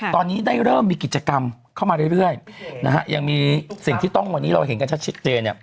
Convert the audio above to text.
ตอนนี้ได้เริ่มมีกิจกรรมเข้ามาเรื่อยนะฮะยังมีสิ่งที่ต้องวันนี้เราเห็นกันชัดเจนเนี่ย